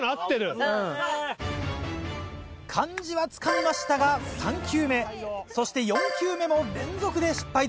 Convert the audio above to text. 感じはつかみましたが３球目そして４球目も連続で失敗です。